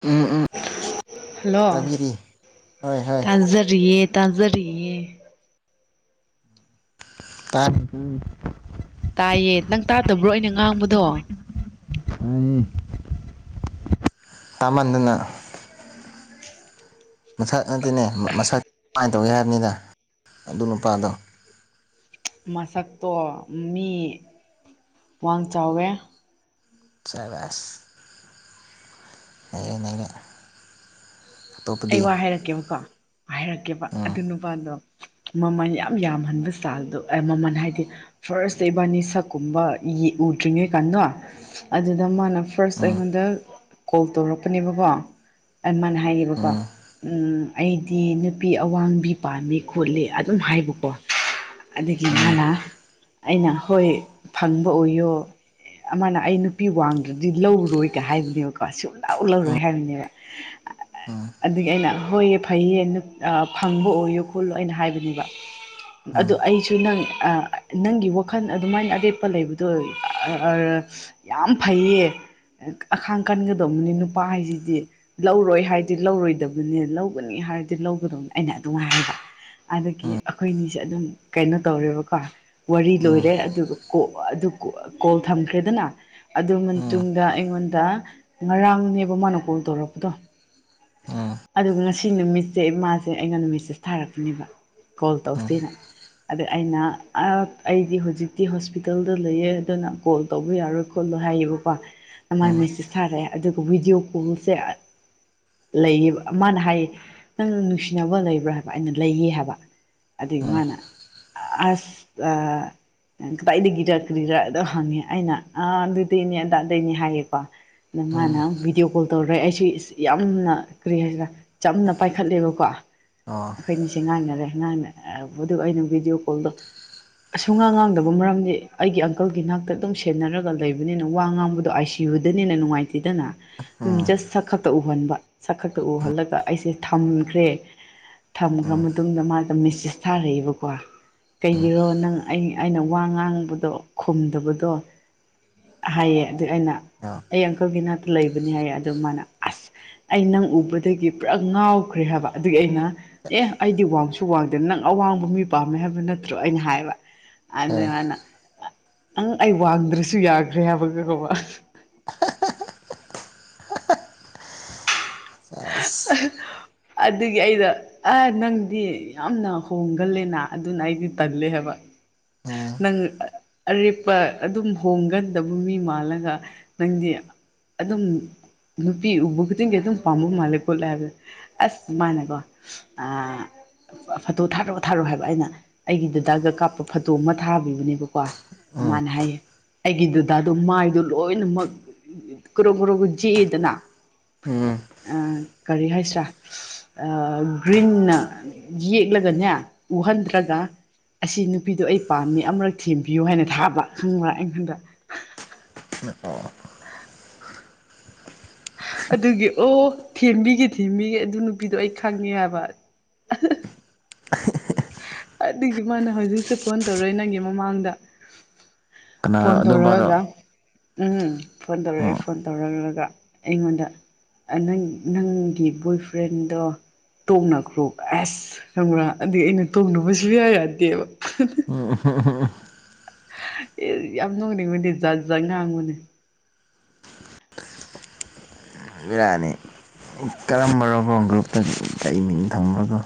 ꯎꯝ ꯎꯝ ꯍꯜꯂꯣ ꯇꯥꯕꯤꯔꯤ ꯍꯣꯏ ꯍꯣꯏ ꯇꯥꯖꯔꯤꯌꯦ ꯇꯥꯖꯔꯤꯌꯦ ꯇꯥꯠ ꯎꯝ ꯇꯥꯏꯌꯦ ꯅꯪ ꯇꯥꯗꯕ꯭ꯔꯣ ꯑꯩꯅ ꯉꯥꯡꯕꯗꯣ ꯎꯝ ꯆꯥꯃꯟꯗꯅ ꯃꯁꯛ ꯅꯠꯇꯦꯅꯦ ꯃꯁꯛ ꯀꯃꯥꯏꯟ ꯇꯧꯒꯦ ꯍꯥꯏꯕꯅꯤꯗ ꯑꯗꯨ ꯅꯨꯄꯥꯗꯣ ꯃꯁꯛꯇꯣ ꯃꯤ ꯋꯥꯡ ꯆꯥꯎꯋꯦ ꯁꯥꯕꯁ ꯍꯌꯦꯡ ꯅꯪꯅ ꯑꯩ ꯋꯥ ꯍꯥꯏꯔꯛꯀꯦꯕꯀꯣ ꯍꯥꯏꯔꯛꯀꯦꯕ ꯎꯝ ꯑꯗꯨ ꯅꯨꯄꯥꯗꯣ ꯃꯃꯟ ꯌꯥꯝ ꯌꯥꯝꯍꯟꯕ ꯁ꯭ꯇꯥꯏꯜ ꯗꯨ ꯑꯦ ꯃꯃꯟ ꯍꯥꯏꯗꯤ ꯐꯥꯔꯁꯇ ꯏꯕꯥꯅꯤ ꯁꯛꯀꯨꯝꯕ ꯌꯦ ꯎꯗ꯭ꯔꯤꯉꯩ ꯀꯥꯟꯗꯣ ꯑꯗꯨꯗ ꯃꯥꯅ ꯐꯥꯔꯁ ꯎꯝ ꯑꯩꯉꯣꯟꯗ ꯀꯣꯜ ꯇꯧꯔꯛꯄꯅꯦꯕꯀꯣ ꯑꯩ ꯃꯥꯅ ꯍꯥꯏꯌꯦꯕꯀꯣ ꯎꯝ ꯎꯝ ꯑꯩꯗꯤ ꯅꯨꯄꯤ ꯑꯋꯥꯡꯕꯤ ꯄꯥꯝꯃꯤ ꯈꯣꯠꯂꯤ ꯑꯗꯨꯝ ꯍꯥꯏꯕꯀꯣ ꯑꯗꯒꯤ ꯎꯝ ꯃꯥꯅ ꯑꯩꯅ ꯍꯣꯏ ꯐꯪꯕ ꯑꯣꯏꯌꯣ ꯑꯃꯅ ꯑꯩ ꯅꯨꯄꯤ ꯋꯥꯡꯗ꯭ꯔꯗꯤ ꯂꯧꯔꯣꯏ ꯀꯥꯏ ꯍꯥꯏꯕꯅꯦꯕꯀꯣ ꯁꯨꯡꯂꯧ ꯎꯝ ꯂꯧꯔꯣꯏ ꯍꯥꯏꯕꯅꯦꯕ ꯎꯝ ꯑꯗꯨꯒꯤ ꯑꯩꯅ ꯍꯣꯏꯌꯦ ꯐꯩꯌꯦ ꯅꯨꯞ ꯑ ꯐꯪꯕ ꯑꯣꯏꯌꯣ ꯈꯣꯠꯂꯣ ꯑꯩꯅ ꯍꯥꯏꯕꯅꯦꯕ ꯎꯝ ꯎꯝ ꯑꯗꯨ ꯎꯝ ꯑꯩꯁꯨ ꯅꯪ ꯑ ꯅꯪꯒꯤ ꯋꯥꯈꯜ ꯑꯗꯨꯃꯥꯏꯅ ꯑꯔꯦꯞꯄ ꯂꯩꯕꯗꯣ [unintelligible] ꯌꯥꯝ ꯐꯩꯌꯦ ꯑꯈꯥꯡ ꯀꯟꯒꯗꯧꯕꯅꯤ ꯅꯨꯄꯥ ꯍꯥꯏꯁꯤꯗꯤ ꯂꯧꯔꯣꯏ ꯍꯥꯏꯗꯤ ꯂꯧꯔꯣꯏ ꯗꯕꯅꯦ ꯂꯧꯒꯅꯤ ꯍꯥꯏꯔꯗꯤ ꯂꯧꯒꯗꯧꯅꯦ ꯑꯩꯅ ꯑꯗꯨꯝ ꯍꯥꯏꯕ ꯑꯗꯨꯒꯤ ꯑꯩꯈꯣꯏꯅꯤꯁꯦ ꯑꯗꯨꯝ ꯀꯩꯅꯣ ꯇꯧꯔꯦꯕꯀꯣ ꯋꯥꯔꯤ ꯎꯝ ꯎꯝ ꯂꯣꯏꯔꯦ ꯑꯗꯨꯒ ꯀꯣ ꯑꯗꯨ ꯀꯣ ꯀꯣꯜ ꯊꯝꯈ꯭ꯔꯦꯗꯅ ꯑꯗꯨ ꯃꯇꯨꯡꯗ ꯑꯩꯉꯣꯟꯗ ꯉꯔꯥꯡꯅꯦꯕ ꯃꯥꯅ ꯀꯣꯜ ꯇꯧꯔꯛꯄꯗꯣ ꯑꯗꯨꯒ ꯉꯁꯤ ꯅꯨꯃꯤꯠꯁꯦ ꯃꯥꯁꯦ ꯑꯩꯉꯣꯟꯗ ꯃꯦꯁꯦꯁ ꯊꯥꯔꯛꯄꯅꯦꯕ ꯀꯣꯜ ꯎꯝ ꯇꯧꯁꯤꯅ ꯑꯗꯨ ꯑꯩꯅ [unintelligible] ꯑꯩꯗꯤ ꯍꯧꯖꯤꯛꯇꯤ ꯍꯣꯁꯄꯤꯇꯥꯜꯗ ꯂꯩꯌꯦ ꯑꯗꯨꯅ ꯀꯣꯜ ꯇꯧꯕ ꯌꯥꯔꯣꯏ ꯈꯣꯠꯂꯣ ꯍꯥꯏꯌꯦꯕꯀꯣ [inaudible] ꯑꯃꯥꯏ ꯃꯦꯁꯦꯁ ꯊꯥꯔꯛꯑꯦ ꯑꯗꯨꯒ ꯕꯤꯗꯤꯑꯣ ꯀꯣꯜꯁꯦ ꯂꯩꯌꯦꯕ ꯃꯥꯅ ꯍꯥꯏꯌꯦ ꯅꯪ ꯅꯨꯡꯁꯤꯅꯕ ꯂꯩꯕ꯭ꯔꯥ ꯍꯥꯏꯕ ꯑꯩꯅ ꯂꯩꯌꯦ ꯍꯥꯏꯕ ꯑꯗꯩ ꯎꯝ ꯃꯥꯅ ꯑꯁ ꯑ ꯀꯗꯥꯏꯗꯒꯤꯔ ꯀ꯭ꯔꯤꯔ ꯑꯗꯣ ꯍꯪꯉꯦ ꯑꯩꯅ ꯑ ꯑꯗꯨꯗꯩꯅꯦ ꯑꯗꯥꯗꯩꯅꯦ ꯍꯥꯏꯌꯦꯕ ꯎꯝ ꯅꯃꯥꯅ ꯚꯤꯗꯤꯑꯣ ꯀꯣꯜ ꯇꯧꯔꯦ ꯑꯩꯁꯨ ꯏꯁ ꯌꯥꯝ ꯎꯝꯅ ꯀꯔꯤ ꯍꯥꯏꯁꯤꯔ ꯆꯝꯅ ꯄꯥꯏꯈꯠꯂꯦꯕꯀꯣ ꯑꯣ ꯑꯩꯈꯣꯏꯅꯤꯁꯦ ꯉꯥꯡꯅꯔꯦ ꯉꯥꯡꯅ ꯑ ꯕꯗꯨ ꯑꯩꯅ ꯚꯤꯗꯤꯑꯣ ꯀꯣꯜꯗꯣ ꯑꯁ ꯁꯨꯡꯉꯥꯡ ꯉꯥꯡꯗꯕ ꯃꯔꯝꯗꯤ ꯑꯩꯒꯤ ꯑꯪꯀꯜꯒꯤ ꯅꯥꯛꯇ ꯑꯗꯨꯝ ꯁꯦꯟꯅꯔꯒ ꯂꯩꯕꯅꯤꯅ ꯋꯥ ꯉꯥꯡꯕꯗꯣ ꯑꯥꯏꯁꯤ ꯌꯨꯗꯅꯤꯅ ꯅꯨꯡꯉꯥꯏꯇꯦꯗꯅ ꯑꯗꯨꯝ ꯎꯝ ꯖꯁ ꯁꯛ ꯈꯛꯇ ꯎ ꯃꯟꯕ ꯁꯛ ꯈꯛꯇ ꯎꯍꯜꯂꯒ ꯑꯩꯁꯦ ꯊꯝꯈ꯭ꯔꯦ ꯊꯝꯈ꯭ꯔ ꯎꯝ ꯃꯇꯨꯡꯗ ꯃꯥꯗꯣ ꯃꯦꯁꯦꯁ ꯊꯥꯔꯛꯑꯦꯕꯀꯣ ꯎꯝ ꯀꯩꯒꯤꯔꯣ ꯅꯪ ꯑꯩ ꯑꯩꯅ ꯋꯥ ꯉꯥꯡꯕꯗꯣ ꯈꯨꯝꯗꯕꯗꯣ ꯍꯥꯏꯌꯦ ꯑꯗꯨꯏ ꯑꯩꯅ [unintelligible] ꯑꯩ ꯑꯪꯀꯜꯒꯤ ꯅꯥꯛꯇ ꯂꯩꯕꯅꯤ ꯍꯥꯏꯌꯦ ꯑꯗꯣ ꯃꯥꯅ ꯑꯁ ꯑꯩ ꯅꯪ ꯎꯕꯗꯒꯤ ꯄꯨꯔꯥ ꯉꯥꯎꯈ꯭ꯔꯦ ꯍꯥꯏꯕ ꯑꯗꯨꯒꯤ ꯑꯩꯅ ꯑꯦ ꯑꯩꯗꯤ ꯋꯥꯡꯁꯨ ꯋꯥꯡꯗꯦ ꯅꯪ ꯑꯋꯥꯡꯕ ꯃꯤ ꯄꯥꯝꯃꯦ ꯍꯥꯏꯕ ꯅꯠꯇ꯭ꯔꯣ ꯑꯩꯅ ꯍꯥꯏꯕ ꯑꯦ ꯑꯗꯨꯃꯥꯅ ꯅꯪ ꯑꯩ ꯋꯥꯡꯗ꯭ꯔꯁꯨ ꯌꯥꯈ꯭ꯔꯦ ꯍꯥꯏꯕ ꯈꯪꯒꯕ ꯑꯁ ꯑꯗꯨꯒꯤ ꯑꯩꯅ ꯑ ꯅꯪꯗꯤ ꯌꯥꯝꯅ ꯍꯣꯡꯒꯜꯂꯦꯅ ꯑꯗꯨꯅ ꯑꯩꯗꯤ ꯇꯜꯂꯦ ꯍꯥꯏꯕ ꯎꯝ ꯅꯪ ꯑꯔꯦꯞꯄ ꯑꯗꯨꯝ ꯍꯣꯡꯒꯟꯗꯕ ꯃꯤ ꯃꯥꯜꯂꯒ ꯅꯪꯗꯤ ꯑꯗꯨꯝ ꯅꯨꯄꯤ ꯎꯕ ꯈꯨꯗꯤꯡꯒꯤ ꯑꯗꯨꯝ ꯄꯥꯝꯃꯛ ꯑꯗꯨ ꯃꯥꯟꯂꯦ ꯀꯣꯠꯂꯦꯕ ꯑꯁ ꯃꯥꯅꯦꯀꯣ ꯑ ꯐꯣꯇꯣ ꯊꯥꯔꯛꯑꯣ ꯊꯥꯔꯣ ꯍꯥꯏꯕ ꯑꯩꯅ ꯑꯩꯒꯤ ꯗꯗꯥꯒ ꯀꯥꯞꯄ ꯐꯣꯇꯣ ꯑꯃ ꯊꯥꯕꯤꯕꯅꯦꯕꯀꯣ ꯎꯝ ꯃꯥꯅ ꯍꯥꯏꯌꯦ ꯑꯩꯒꯤ ꯗꯨꯗꯥꯗꯣ ꯃꯥꯏꯗꯣ ꯂꯣꯏꯅꯃꯛ ꯀꯔꯣ ꯀꯨ ꯖꯤꯛꯑꯦꯗꯅ ꯎꯝ ꯑ ꯀꯔꯤ ꯍꯥꯏꯁꯤ꯭ꯔꯥ ꯑ ꯒ꯭ꯔꯤꯟꯅ ꯌꯦꯛꯂꯒꯅꯦ ꯎꯍꯟꯗ꯭ꯔꯒ ꯑꯁꯤ ꯅꯨꯄꯤꯗꯣ ꯑꯩ ꯄꯥꯝꯃꯤ ꯑꯃꯨꯔꯛ ꯊꯦꯝꯕꯤꯌꯨ ꯍꯥꯏꯅ ꯊꯥꯕ ꯈꯪꯕ꯭ꯔꯥ ꯑꯩꯉꯣꯟꯗ ꯑ ꯑꯗꯨꯒꯤ ꯑꯣ ꯊꯦꯝꯕꯤꯒꯦ ꯊꯦꯝꯕꯤꯒꯦ ꯑꯗꯨ ꯅꯨꯄꯤꯗꯣ ꯑꯩ ꯈꯪꯉꯦ ꯍꯥꯏꯕ ꯑꯗꯨꯒꯤ ꯃꯥꯅ ꯍꯧꯖꯤꯛꯁꯨ ꯐꯣꯟ ꯇꯧꯔꯣꯏ ꯅꯪꯒꯤ ꯃꯃꯥꯡꯗ ꯀꯅꯥꯔꯣ ꯐꯣꯟ ꯑꯗꯨꯝꯕꯔꯣ ꯇꯧꯔꯛꯑꯒ ꯎꯝ ꯐꯣꯟ ꯇꯧꯔꯛꯑꯦ ꯎꯝ ꯐꯣꯟ ꯇꯧꯔꯛꯂꯒ ꯑꯩꯉꯣꯟꯗ ꯅꯪ ꯅꯪꯒꯤ ꯕꯣꯏ ꯐ꯭ꯔꯦꯟꯗꯣ ꯇꯣꯡꯅꯈ꯭ꯔꯣ ꯑꯁ ꯈꯪꯕ꯭ꯔꯥ ꯑꯩ ꯑꯩꯅ ꯇꯣꯡꯨꯕꯁꯨ ꯌꯥ ꯌꯥꯗꯦꯕ ꯎꯝ ꯍꯣ ꯍꯣ [unintelligible] ꯑꯦ ꯌꯥꯝ ꯅꯨꯡꯅꯤꯛꯕꯅꯦ ꯖꯥꯠ ꯖꯥꯠ ꯉꯥꯛꯕꯅꯦ ꯕꯤꯔꯥꯅꯤ ꯀꯔꯝꯕꯔꯒꯣ ꯒ꯭ꯔꯨꯞꯇ ꯑꯩ ꯃꯤꯡ ꯊꯝꯃꯒꯣ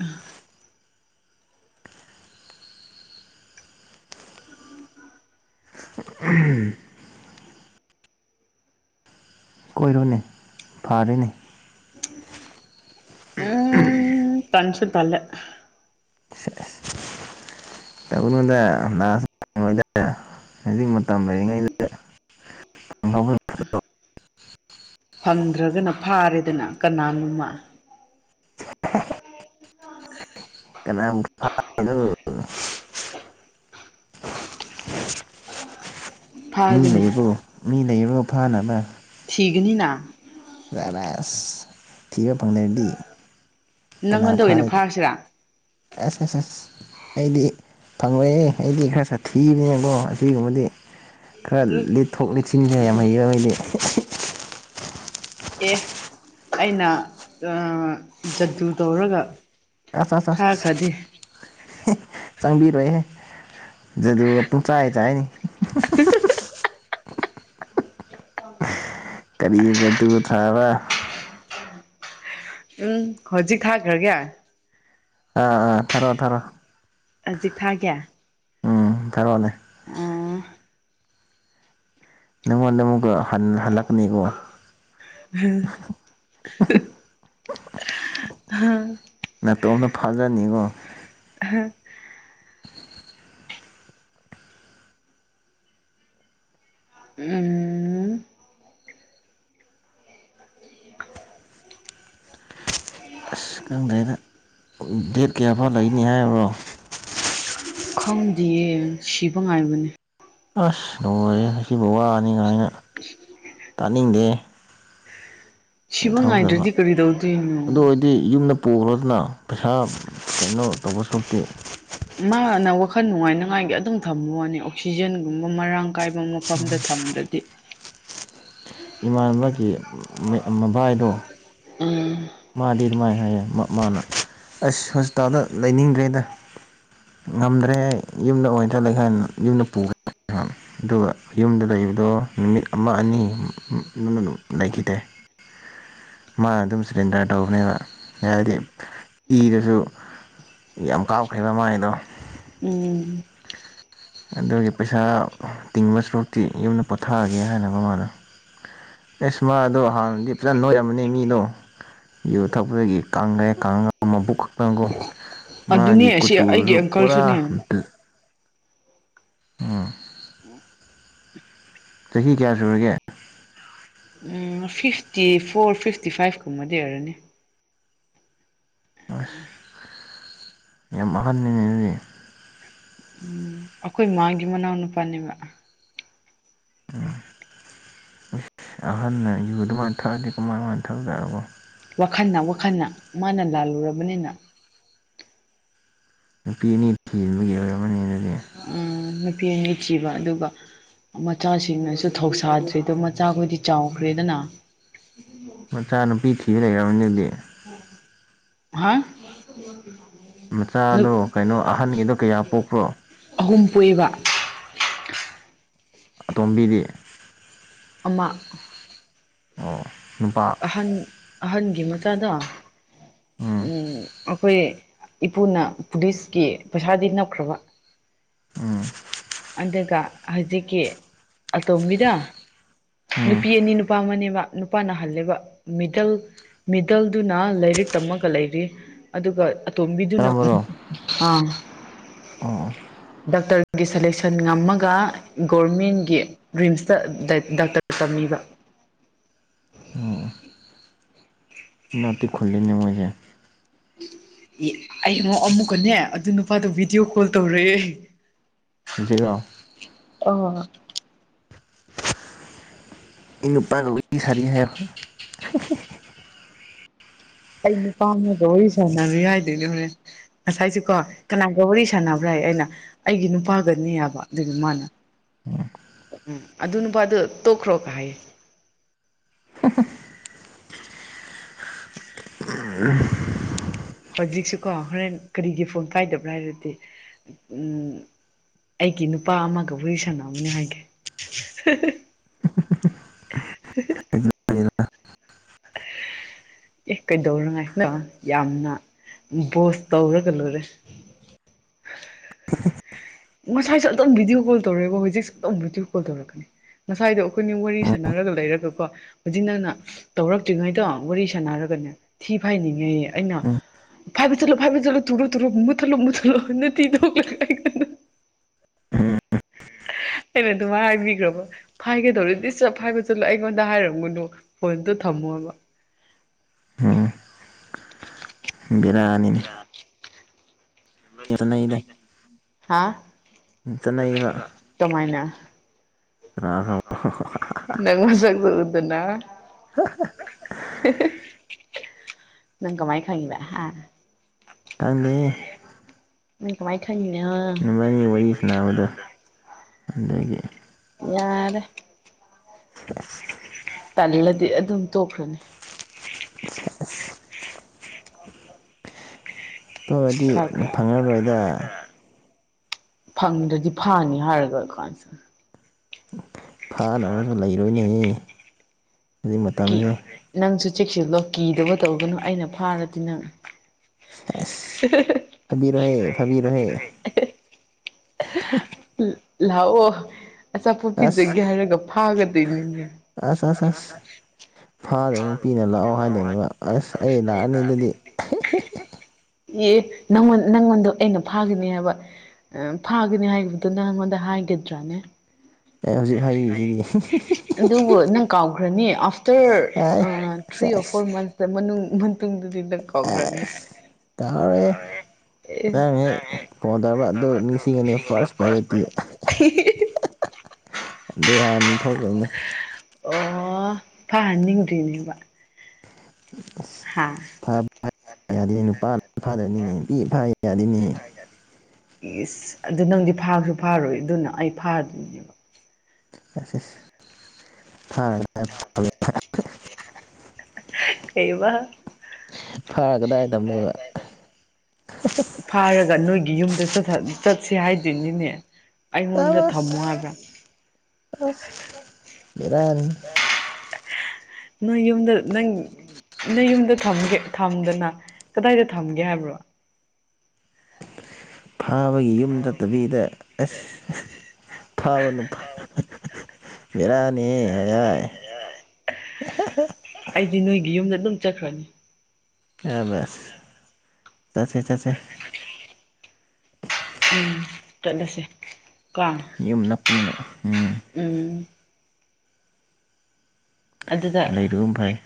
ꯑ [unintelligible] ꯎꯝ [unintelligible] ꯀꯣꯏꯔꯣꯅꯦ ꯐꯥꯔꯦꯅꯦ ꯎꯝ [unintelligible] ꯇꯟꯁꯨ ꯇꯜꯂꯦ ꯇꯧꯒꯅꯣꯗ [inaudible] ꯍꯧꯖꯤꯛ ꯃꯇꯝ ꯂꯩꯔꯤꯉꯩꯗ ꯍꯧꯕ ꯐꯪꯗ꯭ꯔꯒꯅ ꯐꯥꯔꯦꯗꯅ ꯀꯅꯥꯅꯣꯝꯃ ꯀꯩꯅ [inaudible] ꯐ [inaudible] ꯃꯤ ꯐꯥꯒꯅꯤ ꯂꯩꯕꯨ ꯃꯤ ꯂꯩꯔꯕꯣ ꯐꯥꯅꯕ ꯊꯤꯒꯅꯤꯅ ꯔꯁ ꯊꯤꯕ ꯐꯪꯗꯔꯗꯤ ꯀꯅꯥ ꯅꯪꯉꯣꯟꯗ ꯑꯣꯏꯅ ꯐꯔꯅꯤ ꯐꯥꯔꯁꯤꯔꯥ ꯁ ꯁ ꯑꯩꯗꯤ ꯐꯪꯑꯣꯏꯑꯦ ꯑꯩꯗꯤ ꯈꯔ ꯁꯥꯊꯤꯕꯅꯤꯅꯀꯣ ꯑꯁꯤꯒꯨꯝꯕꯗꯤ ꯈꯔ ꯂꯤꯠꯊꯣꯛ ꯂꯤꯁꯤꯟꯁꯦ ꯌꯥꯝ ꯍꯩꯌꯦꯕ ꯑꯩꯗꯤ ꯑꯦ ꯑꯩꯅ ꯑ ꯖꯗꯨ ꯇꯧꯔꯒ ꯇꯁ [unintelligible] ꯊꯥꯈ꯭ꯔꯗꯤ ꯆꯪꯕꯤꯔꯣꯏꯍꯦ ꯖꯗꯨꯒꯥ ꯄꯨꯡꯆꯥꯏ ꯆꯥꯏꯅꯤ [unintelligible] [unintelligible] ꯌꯦ ꯖꯗꯨ ꯊꯥꯕ ꯎꯝ ꯍꯧꯖꯤꯛ ꯊꯥꯈ꯭ꯔꯒꯦ ꯑꯥ ꯑꯥ ꯊꯔꯣ ꯊꯔꯣ ꯍꯧꯖꯤꯛ ꯊꯥꯒꯦ ꯎꯝ ꯊꯔꯣꯅꯦ ꯑꯥ ꯅꯪꯉꯣꯟꯗ ꯑꯃꯨꯛꯀ ꯍꯟ ꯍꯜꯂꯛꯀꯅꯤꯀꯣ ꯍꯝ [unintelligible] ꯍꯥꯥ ꯅꯥꯠꯇꯣꯝꯇ ꯐꯥꯖꯅꯤꯀꯣ ꯎꯝ ꯁꯏ ꯈꯪꯗꯔꯦꯗ ꯗꯦꯠ ꯀꯌꯥꯐꯥꯎ ꯂꯩꯅꯤ ꯍꯥꯏꯕ꯭ꯔꯣ ꯈꯪꯗꯤꯌꯦ ꯁꯤꯕ ꯉꯥꯏꯕꯅꯤ ꯑꯁ ꯂꯣꯏꯔꯦꯍꯦ ꯑꯁꯤꯕꯨ ꯋꯥꯅꯤ ꯀꯩꯏꯅ ꯇꯥꯅꯤꯡꯗꯦ ꯁꯤꯕ ꯉꯥꯏꯗ꯭ꯔꯗꯤ ꯀꯔꯤ ꯇꯧꯗꯣꯏꯅꯣ ꯗꯤ ꯌꯨꯝꯗ ꯄꯨꯈ꯭ꯔꯗꯅ ꯄꯩꯁꯥ ꯀꯩꯅꯣ ꯇꯧꯕꯁꯨꯇꯤ ꯃꯥꯅ ꯋꯥꯈꯜ ꯅꯨꯡꯉꯥꯏꯅꯉꯥꯏꯒꯤ ꯑꯗꯨꯝ ꯊꯝꯕ ꯋꯥꯅꯤ ꯑꯣꯛꯁꯤꯖꯦꯟꯒꯨꯝꯕ ꯃꯔꯥꯡ ꯀꯥꯏꯕ ꯃꯐꯝꯗ ꯊꯝꯗ꯭ꯔꯗꯤ ꯏꯃꯥꯟꯅꯕꯒꯤ ꯃꯦ ꯃꯕꯥꯏꯗꯣ ꯎꯝ ꯃꯥꯗꯤ ꯑꯗꯨꯃꯥꯏꯅ ꯍꯥꯏꯌꯦ ꯃꯥꯅ ꯑꯁ ꯍꯣꯁꯄꯤꯇꯥꯜꯗ ꯂꯩꯅꯤꯡꯗ꯭ꯔꯦꯗ ꯉꯝꯗ꯭ꯔꯦ ꯌꯨꯝꯗ ꯑꯣꯏꯅ ꯂꯩꯍꯟ ꯌꯨꯝꯗ ꯄꯨꯈ ꯑꯗꯨꯒ ꯌꯨꯝꯗ ꯂꯩꯕꯗꯣ ꯅꯨꯃꯤꯠ ꯑꯃ ꯑꯅꯤ ꯅꯨ ꯅꯨ ꯅꯨ ꯂꯩꯈꯤꯗꯦ ꯃꯥꯅ ꯑꯗꯨꯝ ꯁꯔꯦꯟꯗꯔ ꯇꯧꯕꯅꯦꯕ ꯍꯥꯏꯗꯤ ꯏꯗꯁꯨ ꯌꯥꯝ ꯀꯥꯞꯈ꯭ꯔꯦꯕ ꯃꯥꯏꯗꯣ ꯎꯝ ꯑꯗꯨꯒꯤ ꯄꯩꯁꯥ ꯇꯤꯡꯕ ꯁꯔꯨꯛꯇꯤ ꯌꯨꯝꯗ ꯄꯣꯊꯥꯑꯒꯦ ꯍꯥꯏꯅꯕ ꯃꯃꯥꯗ ꯑꯦꯁ ꯃꯥꯗꯣ ꯍꯥꯟꯅꯗꯤ ꯐꯖꯅ ꯅꯣꯏꯔꯝꯝꯕꯅꯦ ꯃꯤꯗꯣ ꯌꯣ ꯊꯛꯄꯗꯒꯤ ꯀꯥꯡꯈ꯭ꯔꯦ ꯀꯥꯡꯉ ꯃꯕꯨꯛ ꯈꯛꯇꯪꯒꯣ ꯃꯥꯒꯤ ꯑꯗꯨꯅꯦ ꯑꯁꯤ ꯀꯨꯆꯨꯗꯨꯁꯨ ꯑꯩꯒꯤ ꯄꯨꯔꯥ ꯑꯪꯀꯜꯁꯨꯅꯦ ꯑꯣꯥ ꯆꯍꯤ ꯀꯌꯥ ꯁꯨꯔꯒꯦ ꯝꯎ ꯐꯤꯐꯇꯤ ꯐꯣꯔ ꯐꯤꯐꯇꯤ ꯐꯥꯏꯚ ꯀꯨꯝꯕꯗꯤ ꯑꯣꯏꯔꯅꯤ ꯑꯁ ꯌꯥꯝ ꯃꯈꯍꯟꯃꯤꯅꯦ ꯑꯗꯨꯗꯤ ꯎꯝ ꯑꯩꯈꯣꯏ ꯃꯥꯥꯒꯤ ꯃꯅꯥꯎ ꯅꯨꯄꯥꯅꯦꯕ ꯎꯝ ꯏꯁ ꯑꯍꯜꯟꯅ ꯌꯨ ꯑꯗꯨꯃꯥꯏꯅ ꯊꯛꯑꯗꯤ ꯀꯃꯥꯏ ꯀꯃꯥꯏꯅ ꯊꯛꯗꯒꯣ ꯋꯥꯈꯜꯅ ꯋꯥꯈꯜꯅ ꯃꯥꯅ ꯂꯥꯜꯂꯨꯔꯕꯅꯤꯅ ꯅꯨꯄꯤ ꯑꯅꯤ ꯊꯤꯕꯒꯤ ꯑꯣꯏꯔꯝꯃꯅꯤ ꯑꯗꯨꯗꯤ ꯎꯝ ꯅꯨꯄꯤ ꯑꯅꯤ ꯆꯤꯕ ꯑꯗꯨꯒ ꯃꯆꯥꯁꯤꯡꯅꯁꯨ ꯊꯧꯁꯥꯗ꯭ꯔꯤꯗꯣ ꯃꯆꯥꯈꯣꯏꯗꯤ ꯆꯥꯎꯈ꯭ꯔꯦꯗꯅ ꯃꯆꯥ ꯅꯨꯨꯄꯤ ꯊꯤꯕ ꯂꯩꯔꯕꯅꯤ ꯑꯗꯨꯗꯤ ꯍꯥ ꯅ ꯃꯆꯥꯗꯣ ꯀꯩꯅꯣ ꯑꯍꯟꯒꯤꯗꯣ ꯀꯌꯥ ꯄꯣꯛꯄ꯭ꯔꯣ ꯑꯍꯨꯝ ꯄꯣꯛꯏꯕ ꯑꯇꯣꯝꯕꯤꯗꯤ ꯑꯃ ꯑꯣ ꯅꯨꯄꯥ ꯑꯍꯟ ꯑꯍꯟꯒꯤ ꯃꯆꯥꯗ‌ꯣ ꯎꯝ ꯑꯩꯈꯣꯏ ꯏꯄꯨꯅ ꯄꯨꯂꯤꯁꯀꯤ ꯄꯩꯁꯥꯗꯤ ꯅꯞꯈ꯭ꯔꯕ ꯎꯝ ꯑꯗꯨꯒ ꯍꯧꯖꯤꯛꯀꯤ ꯑꯇꯣꯝꯕꯤꯗ ꯎꯝ ꯅꯨꯄꯤ ꯑꯅꯤ ꯅꯨꯄꯥ ꯑꯃꯅꯦꯕ ꯅꯨꯄꯥ ꯅꯥꯍꯜꯂꯦꯕ ꯃꯤꯗꯜ ꯃꯤꯗꯜꯗꯨꯅ ꯂꯥꯏꯔꯤꯛ ꯇꯝꯃꯒ ꯂꯩꯔꯤ ꯑꯗꯨꯒ ꯑꯇꯣꯝꯕꯤꯗꯨꯅ ꯃꯨꯛ ꯀꯔꯝꯕꯔꯣ ꯑꯥ ꯑꯥ ꯗꯣꯛꯇꯔꯒꯤ ꯁꯦꯂꯦꯛꯁꯟ ꯉꯝꯃꯒ ꯒꯣꯔꯃꯦꯟꯒꯤ ꯔꯤꯝꯁꯇꯗꯥ ꯗꯥꯛꯇꯔ ꯇꯝꯃꯤꯕ ꯎꯝ ꯏꯅꯥꯛꯇꯤ ꯈꯨꯜꯂꯤꯅꯦ ꯃꯣꯏꯁꯦ ꯑꯩ ꯑꯃꯣ ꯑꯃꯨꯛꯀꯅꯦ ꯑꯗꯨ ꯅꯨꯄꯥꯗꯣ ꯚꯤꯗꯤꯑꯣ ꯀꯣꯜ ꯇꯧꯔꯛꯑꯦ ꯍꯧꯖꯤꯛꯔ‌ꯣ ꯑꯣ ꯑꯩ ꯅꯨꯄꯥꯥꯒ ꯋꯥꯔꯤꯁꯥꯔꯤ ꯍꯥꯏꯌ‌ꯣ [unintelligible] ꯑꯩ ꯅꯨꯄꯥꯃꯒ ꯋꯥꯔꯤ ꯁꯅꯔꯤ ꯍꯥꯏꯗ‌ꯣꯏꯅꯤ ꯍ‌ꯣꯔ‌ꯦꯟ ꯉꯁꯥꯏꯁꯤ ꯀꯣ ꯀꯅꯥꯒ ꯋꯥꯔꯤ ꯁꯥꯟꯅꯕ꯭ꯔ ꯍꯥꯏ ꯑꯩꯅ ꯑꯩꯒꯤ ꯅꯨꯄꯥꯒꯅꯤ ꯍꯥꯏꯕ ꯑꯗꯨꯒ ꯃꯥꯅ [unintelligible] ꯎꯝ ꯑꯗꯨ ꯅꯨꯄꯥ ꯑꯗꯨ ꯇꯣꯛꯈ꯭ꯔꯣ ꯍꯥꯏꯌꯦ ꯍꯧꯖꯤꯛꯁꯨꯀꯣ ꯍꯣꯔꯦꯟ ꯀꯔꯤꯒꯤ ꯐꯣꯟ ꯀꯥꯏꯗꯕ꯭ꯔꯥ ꯍꯥꯏꯔꯗꯤ ꯑꯩꯒꯤ ꯅꯨꯄꯥ ꯑꯃꯒ ꯋꯥꯔꯤ ꯁꯟꯅꯕꯅꯤ ꯍꯥꯏꯒꯦ [unintelligible] [unintelligible] ꯑꯦ ꯀꯩꯗꯧꯅꯉꯥꯏꯗ ꯌꯥꯝꯅ ꯕꯣꯁ ꯇꯧꯔꯒ ꯂꯣꯏꯔꯦ ꯉꯁꯥꯏꯁꯨ ꯑꯗꯨꯝ ꯚꯤꯗꯤꯑꯣ ꯀꯣꯜ ꯇꯧꯔꯛꯦꯕ ꯍꯧꯖꯤꯛꯁꯨ ꯑꯗꯨꯝ ꯚꯗꯤꯑꯣꯀ‌ꯣꯜ ꯇꯧꯔꯛꯀꯅꯤ ꯉꯁꯥꯏꯗꯣ ꯑꯩꯈꯣꯏꯅꯤ ꯋꯥꯔꯤ ꯁꯥꯟꯅꯔꯒ ꯂꯩꯔꯒꯀꯣ ꯍꯧꯖꯤꯛ ꯅꯪꯅ ꯇꯧꯔꯛꯇ꯭ꯔꯤꯉꯩꯗꯣ ꯋꯥꯔꯤ ꯁꯥꯟꯅꯔꯒꯅꯦ ꯊꯤ ꯐꯥꯏꯅꯤꯡꯉꯦꯌꯦ ꯑꯩꯅ ꯐꯥꯏꯕ ꯆꯠꯂꯣ ꯐꯕ ꯆꯠꯂꯣ ꯊꯨꯔ‌ꯣ ꯊꯨꯔ‌ꯣ ꯃꯨꯊꯠꯂꯣ ꯃꯨꯊꯠꯂꯣ ꯅꯊꯤ ꯊ‌ꯣꯛꯔꯅꯤꯅ ꯑꯩꯅ ꯑꯗꯨꯃ ꯍꯥꯏꯕꯤꯈ꯭ꯔꯕ ꯍꯥꯏꯒꯗꯧꯔꯦꯗꯤ ꯆꯞ ꯍꯥꯏꯕ ꯆꯠꯂꯣ ꯑꯩꯉꯣꯟꯗ ꯍꯥꯏꯔꯝꯒꯨꯅꯨ ꯐꯣꯟꯗꯣ ꯊꯝꯃꯣꯕ ꯎꯝ ꯕꯦꯔꯅꯤꯅꯦ ꯍꯥ ꯀꯃꯥꯏꯅ ꯀꯅꯥꯅ‌ꯣ ꯅꯪ ꯃꯁꯛꯁꯨ ꯎꯗꯅ ꯅꯪ ꯀꯥꯃꯥꯏ ꯈꯪꯉꯤꯕ ꯍꯥ ꯈꯪꯗꯦꯍꯦ ꯅꯪ ꯀꯃꯥꯏ ꯈꯟꯉꯤꯅ‌ꯣ ꯅ‌ꯣꯏꯅꯤ ꯋꯥꯔꯤ ꯁꯅꯥꯕꯗ‌ꯣ ꯑꯗꯨꯗꯒꯤ ꯌꯥꯔꯦ ꯁ‌ꯦꯖ ꯇꯥꯜꯂꯗꯤ ꯑꯗꯨꯝ ꯇꯣꯛꯈ꯭ꯔꯅꯤ ꯇꯧꯔꯗꯤ ꯈꯔ ꯐꯪꯉꯔꯣꯏꯗ ꯈꯔ ꯐꯪꯗ꯭ꯔꯗꯤ ꯐꯔꯅꯤ ꯍꯥꯏꯔꯀꯥꯟꯁꯤꯗ ꯐꯥꯅꯕꯖꯨ ꯂꯩꯔꯣꯏꯅꯦꯍꯦ ꯍꯧꯖꯤꯛ ꯀꯤ ꯃꯇꯝꯖꯦ ꯅꯪꯁꯨ ꯆꯦꯛꯁꯤ ꯂꯣ ꯀꯤꯗꯕ ꯇꯧꯒꯅꯨ ꯑꯩꯅ ꯐꯥꯔꯗꯤ ꯅꯪ ꯑꯁ [unintelligible] ꯐꯥꯕꯤꯔꯣꯍꯦ ꯐꯥꯕꯤꯔꯣꯍꯦ ꯂꯥꯛꯑꯣ ꯑꯆꯥꯄꯣꯠ ꯑꯁ ꯄꯤꯖꯒꯦ ꯍꯥꯏꯔꯒ ꯐꯥꯒꯗꯣꯏꯅꯤꯅꯦ ꯑꯁ ꯑꯁ ꯑꯁ-ꯑꯁ-ꯑꯁ ꯑꯁ ꯐꯥꯗꯕ ꯅꯨꯄꯤꯅ ꯂꯥꯛꯑꯣ ꯍꯥꯏꯗꯣꯏꯅꯦꯕ ꯑꯁ ꯑꯩ ꯂꯥꯛꯑꯅꯤ ꯑꯗꯨꯗꯤ ꯑꯦ ꯅꯪꯉꯣꯟ ꯅꯪꯉꯣꯟꯗꯣ ꯑꯩꯅ ꯐꯥꯒꯅꯦ ꯍꯥꯏꯕ ꯐꯥꯒꯅꯤ ꯍꯥꯏꯕꯗꯨꯅ ꯅꯉꯣꯟꯗ ꯍꯥꯏꯒꯗ꯭ꯔꯥꯅꯦ ꯑꯦ ꯍꯧꯖꯤꯛ ꯍꯥꯏꯔꯤꯁꯤꯗꯤ ꯑꯗꯨꯕꯨ ꯅꯪ ꯀꯥꯎꯒ꯭ꯔꯅꯤ ꯑꯐ ꯔ ꯑꯩ ꯑ ꯊ꯭ꯔꯤ ꯁꯦꯁ ꯑꯣꯔ ꯐꯣ꯭ꯔ ꯃꯟꯁꯇ ꯃꯅꯨꯡ ꯃꯇꯨꯡꯗꯨ ꯗꯤ ꯅꯪ ꯀꯥꯎꯒ꯭ꯔꯅꯤ ꯑꯁ ꯇꯥꯍꯧꯔꯦꯍꯦ ꯍꯦꯛ ꯅꯪ ꯐꯣꯟ ꯇꯧꯔꯛꯄ ꯑꯗꯨ ꯅꯤꯡꯁꯤꯡꯉꯅꯤ ꯍꯦꯛ [unintelligible] ꯑꯗꯨꯒ ꯍꯥꯟꯅꯤ ꯊꯣꯛꯇꯣꯏꯅꯦ ꯑꯣ ꯐꯥꯍꯟꯅꯤꯡꯗ꯭ꯔꯤꯅꯦꯕ ꯍꯥ [unintelligible] ꯌꯗꯦꯅꯦ ꯅꯨꯄꯥ ꯐꯥꯗꯕꯅꯤꯅꯦ ꯅꯨꯄꯤ ꯐꯥ ꯌꯥꯗꯦꯅꯦꯍꯦ ꯑꯤꯁ ꯑꯗꯨ ꯅꯪꯗꯤ ꯐꯥꯁꯨ ꯐꯥꯔꯣꯏ ꯑꯗꯨꯅ ꯑꯩ ꯐꯥꯗꯣꯏꯅꯦꯕ ꯑꯁ ꯑꯁ ꯐꯥꯔ ꯀꯗꯥꯏ ꯀꯩꯕ ꯐꯒ ꯗꯥꯏ ꯀꯥꯏ ꯀꯗꯥꯏꯗ ꯐꯥꯔꯒ ꯅꯣꯏꯒꯤ ꯌꯨꯝꯗ ꯆꯠꯁꯦ ꯍꯥꯏꯗꯨꯏꯅꯤꯅꯦ ꯑꯁ ꯕꯦꯔꯥꯅꯤ ꯅꯣꯏ ꯌꯨꯝꯗ ꯅꯪ ꯅꯣꯏ ꯌꯨꯝꯗꯒꯦ ꯊꯝꯗꯅ ꯀꯗꯥꯏꯗ ꯊꯝꯒꯦ ꯍꯥꯏꯕ꯭ꯔꯣ ꯐꯕꯒꯤ ꯌꯨꯝ ꯆꯠꯇꯕꯤꯗ ꯑꯁ ꯐꯥꯕ ꯅꯨꯄꯥ ꯕꯤꯔꯅꯤꯍꯦ ꯍ ꯌꯥꯏ ꯑꯩꯗꯤ ꯅꯣꯏꯒꯤ ꯌꯨꯝꯗ ꯑꯗꯨꯝ ꯆꯠꯈ꯭ꯔꯅꯤ ꯑꯕꯁ ꯆꯠꯁꯦ ꯆꯠꯁꯦ ꯎꯝ ꯆꯠꯂꯁꯦ ꯀꯣ ꯌꯨꯝ ꯅꯞꯄꯅꯤꯅ ꯎꯝ ꯎꯝ ꯑꯗꯨꯗ ꯑꯗꯨꯨꯝ ꯐꯩꯏ